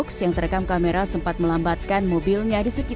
rata rata korban anak mengalami patah tulang pada kaki